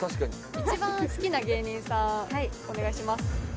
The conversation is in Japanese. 一番好きな芸人さんお願いします。